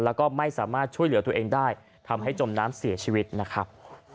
แล้วก็ไม่สามารถช่วยเหลือตัวเองได้ทำให้จมน้ำเสียชีวิตนะครับ